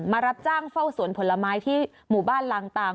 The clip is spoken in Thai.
รับจ้างเฝ้าสวนผลไม้ที่หมู่บ้านลางตาง